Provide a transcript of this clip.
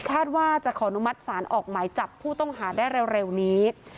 คาดว่าจะขออนุมัติศาลออกหมายจับผู้ต้องหาได้เร็วนี้